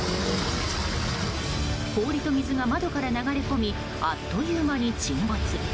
氷と水が窓から流れ込みあっという間に沈没。